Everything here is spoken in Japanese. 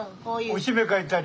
おしめ替えたり。